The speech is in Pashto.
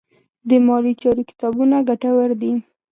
د مالي چارو کتابونه ګټور دي.